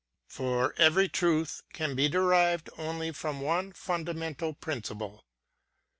For every truth can be derived only from one fundamental principle.